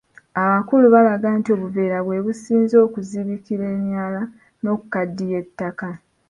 Abakulu balaga nti obuveera bwe businze okuzibikira emyala n'okukaddiya ettaka.